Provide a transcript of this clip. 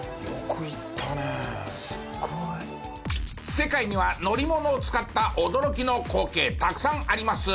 世界には乗り物を使った驚きの光景たくさんあります。